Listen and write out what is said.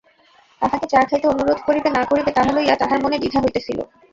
কাহাকে চা খাইতে অনুরোধ করিবে না-করিবে তাহা লইয়া তাহার মনে দ্বিধা হইতেছিল।